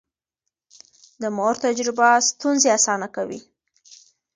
د مور تجربه ستونزې اسانه کوي.